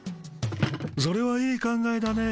それはいい考えだね。